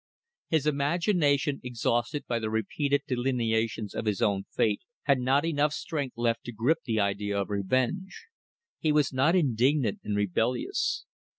His imagination, exhausted by the repeated delineations of his own fate, had not enough strength left to grip the idea of revenge. He was not indignant and rebellious.